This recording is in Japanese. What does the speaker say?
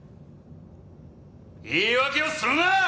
言い訳をするな！